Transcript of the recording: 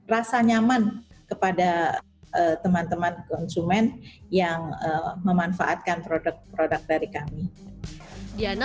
rasa nyaman kepada teman teman konsumen yang memanfaatkan produk produk dari kami diana